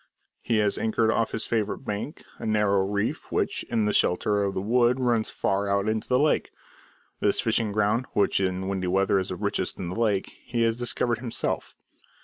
He has anchored off his favourite bank, a narrow reef which, in the shelter of the wood, runs far out into the lake. This fishing ground, which in windy weather is the richest in the lake, he has discovered himself.